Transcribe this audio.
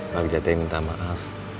pak ja teh minta maaf